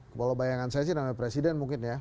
kalau bayangan saya sih namanya presiden mungkin ya